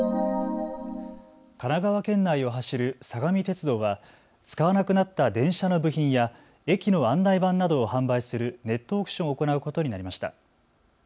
神奈川県内を走る相模鉄道は使わなくなった電車の部品や駅の案内板などを販売するネットオークションを行うことになりました。